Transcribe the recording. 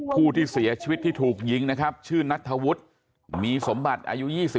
ผู้ที่เสียชีวิตที่ถูกยิงนะครับชื่อนัทธวุฒิมีสมบัติอายุ๒๓